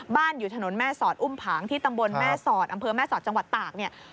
อยู่ถนนแม่สอดอุ้มผางที่ตำบลแม่สอดอำเภอแม่สอดจังหวัดตากเนี่ย